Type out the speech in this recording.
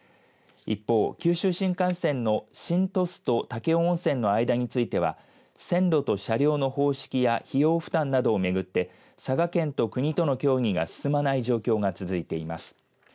一方、九州新幹線の新鳥栖と武雄温泉の間については線路と車両の方式や費用負担などを巡って佐賀県と国との協議が進まない状況が続いています。